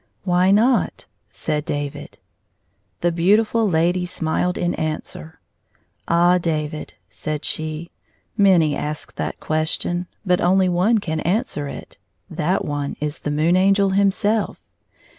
"Why not?" said David. The beautifiil lady smiled in answer. "Ah, David," said she, "many ask that question, but only one can answer it — that one is the Moon Angel himself.